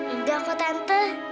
enggak kok tante